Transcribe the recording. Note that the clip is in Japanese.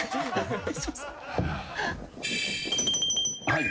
はい。